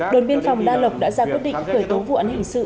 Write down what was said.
đồn biên phòng đa lộc đã ra quyết định khởi tố vụ án hình sự